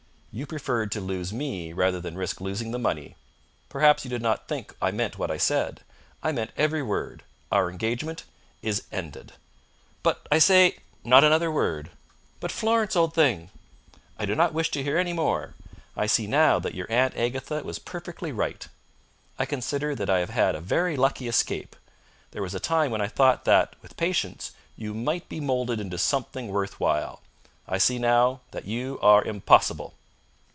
"You preferred to lose me rather than risk losing the money. Perhaps you did not think I meant what I said. I meant every word. Our engagement is ended." "But I say!" "Not another word!" "But, Florence, old thing!" "I do not wish to hear any more. I see now that your Aunt Agatha was perfectly right. I consider that I have had a very lucky escape. There was a time when I thought that, with patience, you might be moulded into something worth while. I see now that you are impossible!"